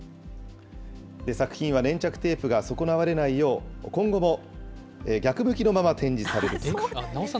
作品は粘着テープが損なわれないよう、今後も逆向きのまま展示さ直さないんですね。